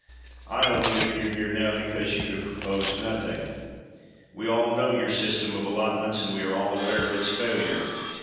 I only appear here now because you have proposed nothing. We all know your system of allotments, and we are all aware of its failure.